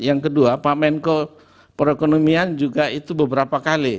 yang kedua pak menko perekonomian juga itu beberapa kali